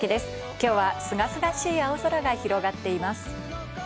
今日は、すがすがしい青空が広がっています。